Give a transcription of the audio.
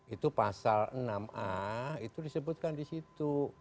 itu pasal enam a itu disebutkan di situ